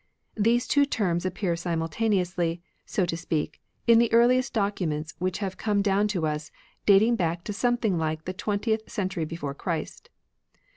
These two terms appear simultaneously, so to speak, in the earliest documents which have comedown to us, dating back to something like the twentieth century before Christ.